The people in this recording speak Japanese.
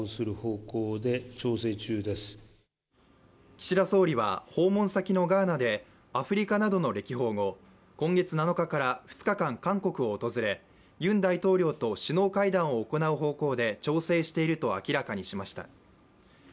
岸田総理は、訪問先のガーナでアメリカなどの歴訪後今月７日から２日間韓国を訪れユン大統領と首脳会談を行う方向で調整していると明らかにしました。